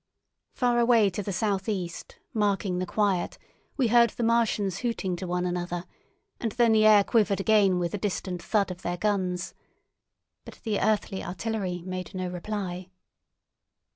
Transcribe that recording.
Far away to the southeast, marking the quiet, we heard the Martians hooting to one another, and then the air quivered again with the distant thud of their guns. But the earthly artillery made no reply.